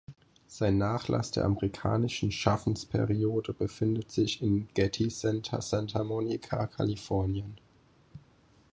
Sein Nachlass der amerikanischen Schaffensperiode befindet sich im Getty Center, Santa Monica, Kalifornien.